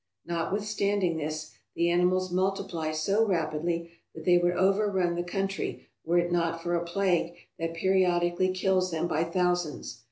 Notwithstanding this, the animals multiply so rapidly that they would overrun the country were it not for a plague that periodically kills them by thousands.